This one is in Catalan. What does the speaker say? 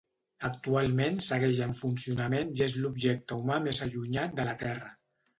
Actualment segueix en funcionament i és l'objecte humà més allunyat de la Terra.